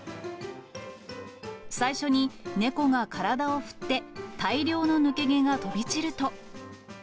最初に猫が体を振って、大量の抜け毛が飛び散ると。